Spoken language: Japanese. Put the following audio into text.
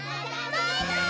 バイバイ！